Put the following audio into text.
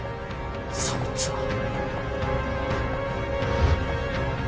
そいつは